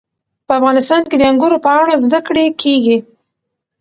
په افغانستان کې د انګورو په اړه زده کړه کېږي.